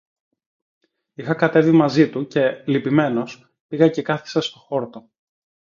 Είχα κατέβει μαζί του, και, λυπημένος, πήγα και κάθησα στο χόρτο